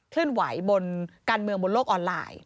เคลื่อนไหวบนการเมืองบนโลกออนไลน์